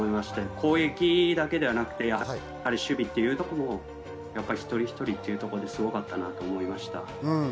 攻撃だけではなくて守備も一人一人というところですごかったなと思いました。